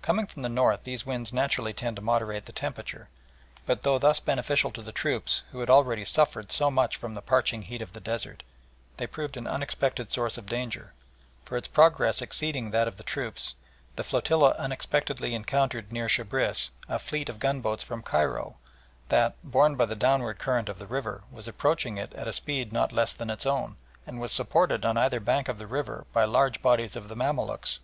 Coming from the north these winds naturally tend to moderate the temperature, but though thus beneficial to the troops, who had already suffered so much from the parching heat of the desert, they proved an unexpected source of danger, for, its progress exceeding that of the troops, the flotilla unexpectedly encountered near Shebriss a fleet of gunboats from Cairo that, borne by the downward current of the river, was approaching it at a speed not less than its own, and was supported on either bank of the river by large bodies of the Mamaluks.